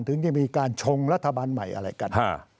ถึงจะมีการชงรัฐบาลใหม่อะไรกัน